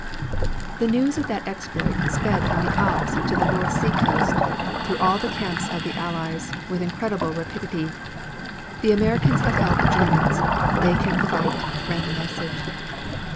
The news of that exploit sped from the Alps to the North Sea Coast, through all the camps of the Allies, with incredible rapidity. "The Americans have held the Germans. They can fight," ran the message.